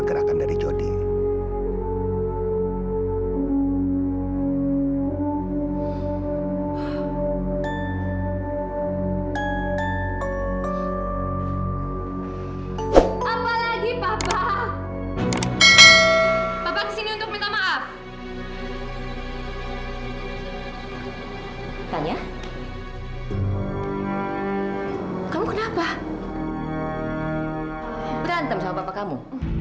berantem sama papa kamu